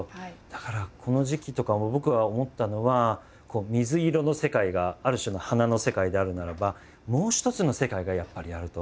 だからこの時期とかも僕は思ったのは「水色」の世界がある種の花の世界であるならばもう一つの世界がやっぱりあると。